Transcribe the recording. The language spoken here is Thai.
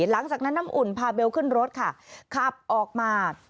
หลังจากนั้นน้ำอุ่นพาเบลขึ้นรถค่ะขับออกมา